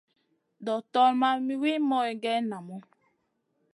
Doktora ma wi moyne geyn namu.